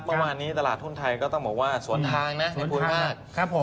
เมื่อวันนี้ตลาดทุนไทยก็ต้องบอกว่าสวนทางเนี่ยได้พูดมาก